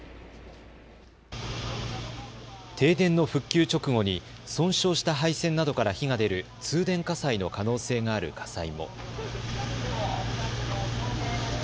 停電の復旧直後に損傷した配線などから火が出る通電火災の可能性のある火災も。